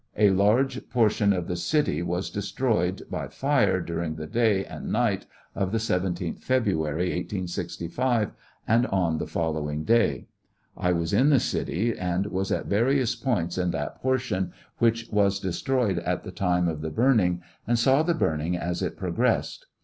A large portion of the city was destroyed by fire during the day and night of the 17th February, 1865, and on the following day. I was in the city, and' 13 was at various points in that portion which was de stroyed at the time of the burning, and saw the burn ing as it progressed.